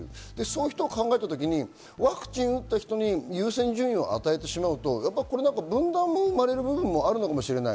そう考えたとき、ワクチン打った人に優先順位を与えてしまうと、分断が生まれる部分もあるかもしれない。